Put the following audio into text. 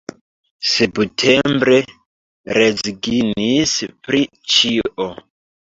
Septembre rezignis pri ĉio.